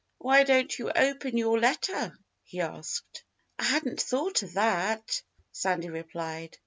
"Why don't you open your letter?" he asked. "I hadn't thought of that," Sandy replied.